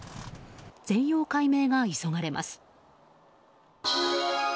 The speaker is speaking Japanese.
全容解明が急がれます。